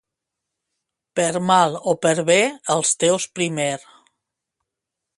Per mal o per bé, els teus primer.